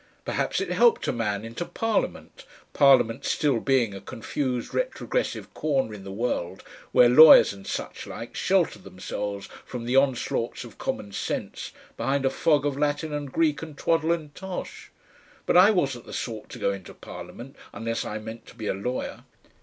Perhaps it helped a man into Parliament, Parliament still being a confused retrogressive corner in the world where lawyers and suchlike sheltered themselves from the onslaughts of common sense behind a fog of Latin and Greek and twaddle and tosh; but I wasn't the sort to go into Parliament, unless I meant to be a lawyer.